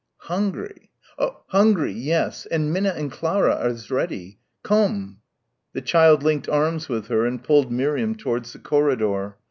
"Hungry." "Hungry, yes, and Minna and Clara is ready. Komm!" The child linked arms with her and pulled Miriam towards the corridor.